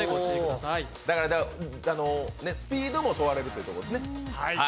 だからスピードも問われるということですね。